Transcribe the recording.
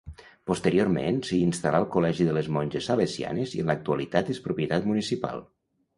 Posteriorment s'hi instal·là el Col·legi de les Monges Salesianes i en l'actualitat és propietat municipal.